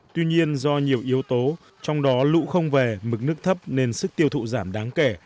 tuy nhiên do nhiều yếu tố trong đó lũ không về mực nước thấp nên sức tiêu thụ giảm đáng kể